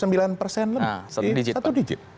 sembilan persen lebih